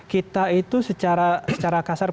kita itu secara kasar